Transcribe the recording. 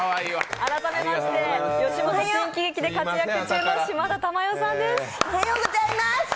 改めまして、吉本新喜劇で活躍中の島田珠代さんです。